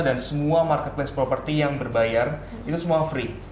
dan semua market place property yang berbayar itu semua free